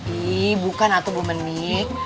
ih bukan atuh bu menik